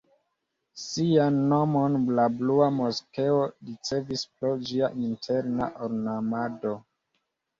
Sian nomon la Blua moskeo ricevis pro ĝia interna ornamado.